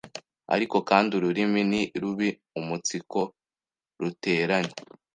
ariko kandi ururimi ni rubi umunsiko ruteranya,